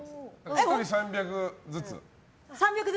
１人３００ずつ。